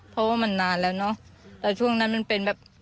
เพราะว่ามันนานแล้วเนอะแต่ช่วงนั้นมันเป็นแบบ